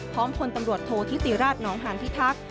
พลตำรวจโทษธิติราชนองหานพิทักษ์